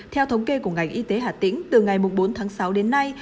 theo thống kê của ngành y tế hà tĩnh từ ngày bốn tháng sáu đến nay